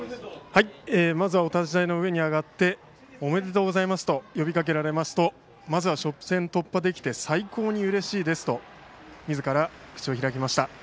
まずはお立ち台の上に上がっておめでとうございますと呼びかけられますとまずは、初戦突破できて最高にうれしいですとみずから口を開きました。